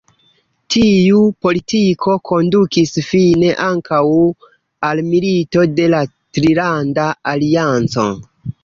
Tiu politiko kondukis fine ankaŭ al Milito de la Trilanda Alianco.